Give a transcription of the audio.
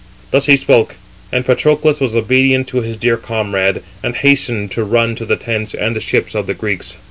Thus he spoke, and Patroclus was obedient to his dear comrade, and hastened to run to the tents and ships of the Greeks.